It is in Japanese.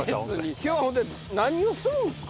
今日はほんとに何をするんですか？